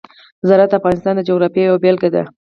زراعت د افغانستان د جغرافیې یوه بېلګه ده.